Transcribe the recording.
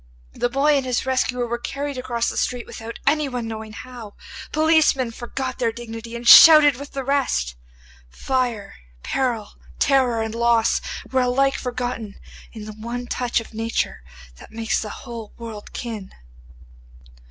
The boy and his rescuer were carried across the street without anyone knowing how. Policemen forgot their dignity and shouted with the rest. Fire, peril, terror, and loss were alike forgotten in the one touch of nature that makes the whole world kin.